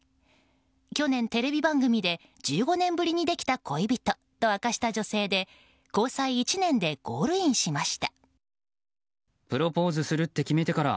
去年テレビ番組で１５年ぶりにできた恋人と明かした女性で交際１年でゴールインしました。